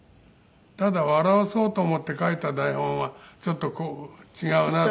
ただ笑わそうと思って書いた台本はちょっと違うなと。